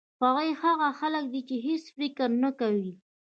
هغوی هغه خلک دي چې هېڅ فکر نه کوي.